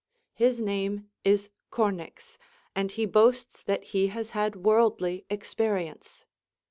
His name is Cornix, and he boasts that he has had worldly experience.